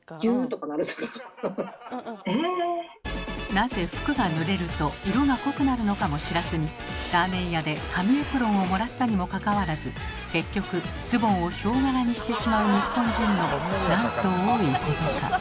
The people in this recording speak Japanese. なぜ服がぬれると色が濃くなるのかも知らずにラーメン屋で紙エプロンをもらったにもかかわらず結局ズボンをヒョウ柄にしてしまう日本人のなんと多いことか。